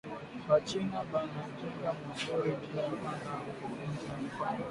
Ba china bana jenga muzuri njia ya kwenda ku kiwanja kya ndege